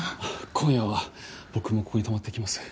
今夜は僕もここに泊まっていきます。